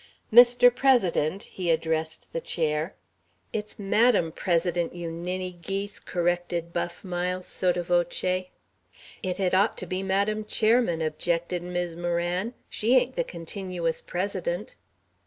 "Mr. President," he addressed the chair. "It's Madam President, you ninny geese," corrected Buff Miles, sotto voce. "It had ought to be Madam Chairman," objected Mis' Moran; "she ain't the continuous president."